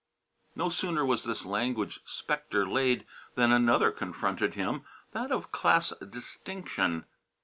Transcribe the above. No sooner was this language spectre laid than another confronted him; that of class distinction.